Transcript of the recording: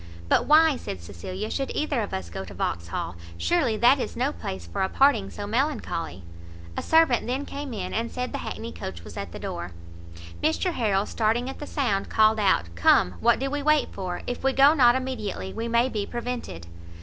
"But why," said Cecilia, "should either of us go to Vauxhall? surely that is no place for a parting so melancholy." A servant then came in, and said the hackney coach was at the door. Mr Harrel, starting at the sound, called out, "come, what do we wait for? if we go not immediately, we may be prevented."